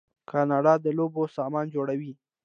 کاناډا د لوبو سامان جوړوي.